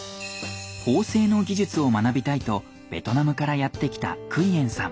縫製の技術を学びたいとベトナムからやって来たクイエンさん。